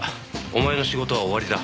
お前の仕事は終わりだ。